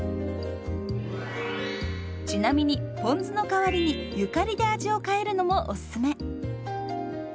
ちなみにポン酢の代わりにゆかりで味を変えるのもおすすめ。